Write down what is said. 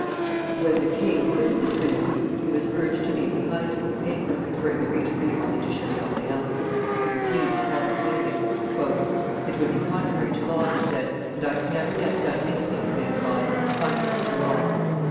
When the king quitted the Tuileries he was urged to leave behind him a paper conferring the regency on the Duchess of Orleans. He refused positively. "It would be contrary to law," he said; "and I have never yet done anything, thank God! contrary to law."